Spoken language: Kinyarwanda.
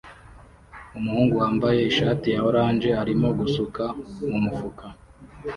Umuhungu wambaye ishati ya orange arimo gusuka mumufuka